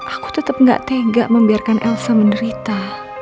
aku tetap gak tega membiarkan elsa menderita